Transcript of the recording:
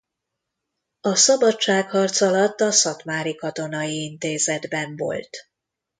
A szabadságharc alatt a szatmári katonai intézetben volt.